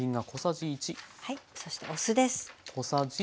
そしてお酢です。